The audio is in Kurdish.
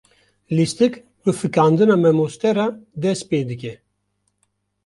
Lîstik bi fîkandina mamoste re dest pê dike.